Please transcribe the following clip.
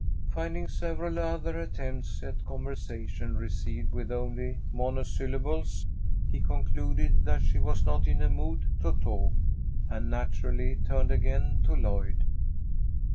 Finding several other attempts at conversation received with only monosyllables, he concluded that she was not in a mood to talk, and naturally turned again to Lloyd.